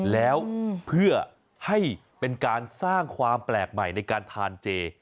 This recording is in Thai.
แล้วเพื่อให้เป็นการสร้างความแปลกใหม่ในการทานเจ